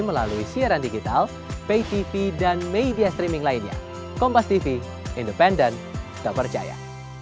apapun itu kita hormati pak hasto nenek nenek kita hormati